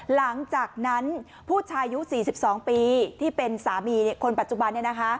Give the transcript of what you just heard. หลังจากนั้นผู้ชายอายุ๔๒ปีที่เป็นสามีคนปัจจุบัน